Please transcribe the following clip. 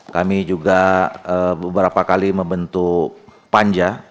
kami juga beberapa kali membentuk panja